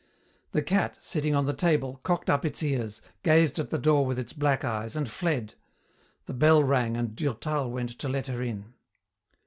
The cat, sitting on the table, cocked up its ears, gazed at the door with its black eyes, and fled. The bell rang and Durtal went to let her in.